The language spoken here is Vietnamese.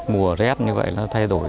mùa rét như vậy nó thay đổi